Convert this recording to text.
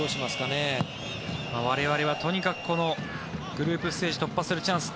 我々はとにかくこのグループステージ突破するチャンス